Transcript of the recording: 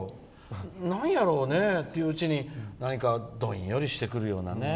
なんやろうねっていううちにどんよりしてくるような。